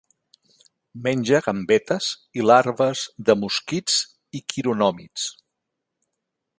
Menja gambetes i larves de mosquits i quironòmids.